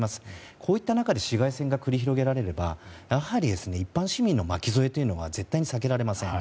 こういった中で市街戦が繰り広げられればやはり一般市民の巻き添えは避けられません。